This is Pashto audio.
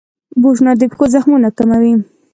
بوټونه د پښو زخمونه کموي.